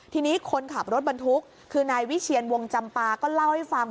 ทีนี้คนขับรถบรรทุกคือนายวิเชียนวงจำปาก็เล่าให้ฟัง